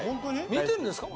見てるんですか？